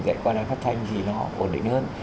dạy qua đài phát thanh thì nó ổn định hơn